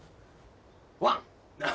ワン。